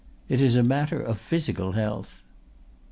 It is a matter of physical health."